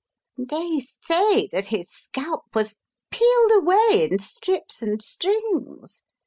"They say that his scalp was peeled away in strips and strings!"